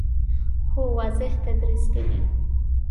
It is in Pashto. هو، واضح تدریس کوي